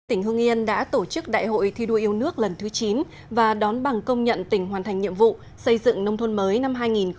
tỉnh hương yên đã tổ chức đại hội thi đua yêu nước lần thứ chín và đón bằng công nhận tỉnh hoàn thành nhiệm vụ xây dựng nông thôn mới năm hai nghìn một mươi chín